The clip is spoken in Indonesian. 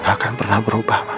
nggak akan pernah berubah mak